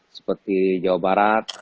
seperti jawa barat